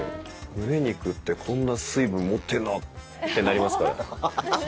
むね肉って、こんな水分持ってるの？ってなりますから。